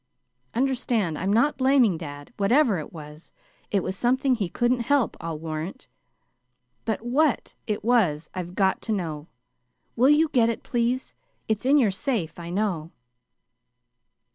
Understand, I'm not blaming dad. Whatever it was, it was something he couldn't help, I'll warrant. But WHAT it was I've got to know. Will you get it, please? It's in your safe, you know."